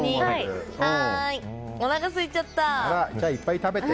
おなかすいちゃった！